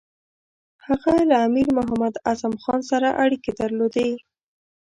هغه له امیر محمد اعظم خان سره اړیکې درلودې.